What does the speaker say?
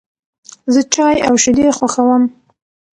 زه چای او شیدې خوښوم.